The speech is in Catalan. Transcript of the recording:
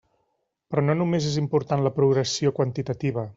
Però no només és important la progressió quantitativa.